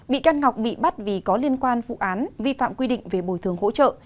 bị can ngọc bị bắt vì có liên quan vụ án vi phạm quy định về bồi thường hỗ trợ